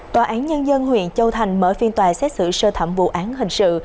tòa án nhân dân huyện châu thành mở phiên tòa xét xử sơ thẩm vụ án hình sự